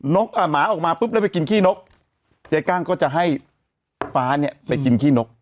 หมาออกมาปุ๊บแล้วไปกินขี้นกยายกั้งก็จะให้ฟ้าเนี่ยไปกินขี้นก